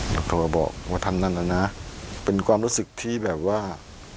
เขาโทรมาบอกว่าท่านนั่นล่ะนะเป็นความรู้สึกที่แบบว่า